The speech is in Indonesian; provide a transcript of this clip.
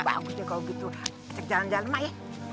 oh bagus deh kalo gitu cek jalan jalan mak ya